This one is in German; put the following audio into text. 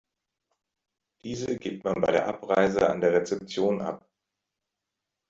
Diese gibt man bei der Abreise an der Rezeption ab.